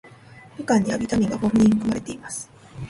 みかんにはビタミンが豊富に含まれています。